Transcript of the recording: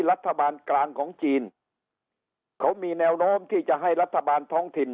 รัฐบาลกลางของจีนเขามีแนวโน้มที่จะให้รัฐบาลท้องถิ่น